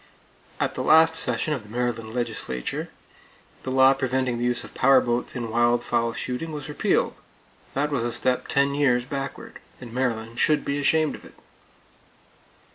At the last session of the Maryland legislature, the law preventing the use of power boats in wild fowl shooting was repealed. That was a step ten years backward; and Maryland should be ashamed of it!